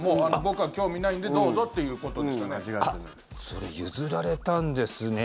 それ、譲られたんですね。